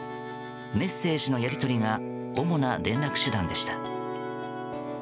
メッセージのやり取りが主な連絡手段でした。